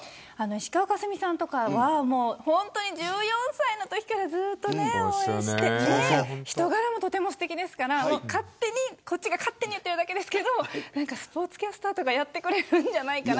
石川佳純さんとかは１４歳のときからずっと応援していて人柄も、とてもすてきですからこっちが勝手に言っているだけですけどスポーツキャスターとかやってくれるんじゃないかな。